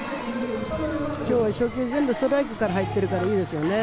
今日は初球全部ストライクから入っているからいいですよね。